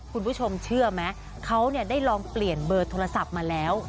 คุณผู้ชมเชื่อไหมเขาได้ลองเปลี่ยนเบอร์โทรศัพท์มาแล้ว